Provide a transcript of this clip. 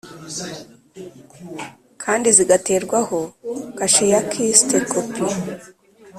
Kandi zigaterwaho kashe ya kist kopi